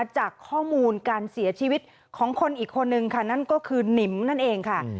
จากข้อมูลการเสียชีวิตของคนอีกคนนึงค่ะนั่นก็คือหนิมนั่นเองค่ะ